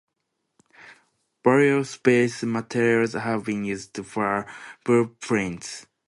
Various base materials have been used for blueprints.